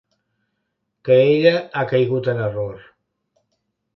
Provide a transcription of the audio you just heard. Que ella ha caigut en error.